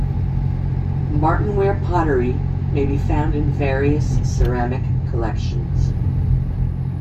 Martinware pottery may be found in various ceramic collections.